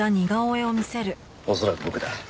恐らく僕だ。